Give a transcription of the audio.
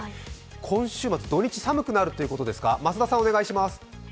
今週末、土日寒くなるということですか？